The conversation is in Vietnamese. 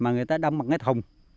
mà người ta đâm vào cái thùng